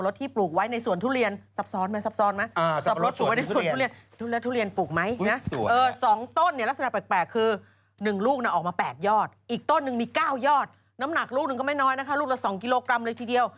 ชาวบ้านหนักลูกหนึ่งก็ไม่น้อยลูกละ๒กิโลกรัมเลยทีเดียว